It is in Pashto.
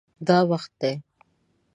دا وخت دی